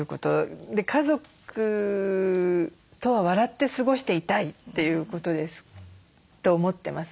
家族とは笑って過ごしていたいということですと思ってます。